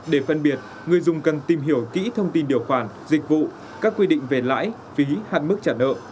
để phân biệt người dùng cần tìm hiểu kỹ thông tin điều khoản dịch vụ các quy định về lãi phí hạn mức trả nợ